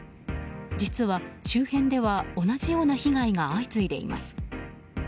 実は周辺では同じような被害が相次いでいます。